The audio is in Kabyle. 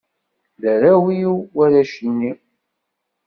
D arraw-iw warrac-nni.